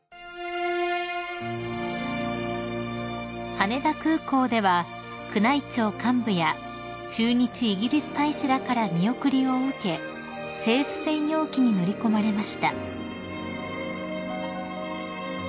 ［羽田空港では宮内庁幹部や駐日イギリス大使らから見送りを受け政府専用機に乗り込まれました］